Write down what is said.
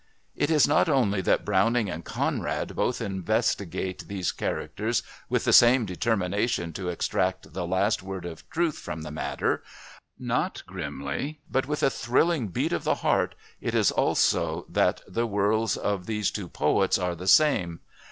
It is not only that Browning and Conrad both investigate these characters with the same determination to extract the last word of truth from the matter, not grimly, but with a thrilling beat of the heart, it is also that the worlds of these two poets are the same.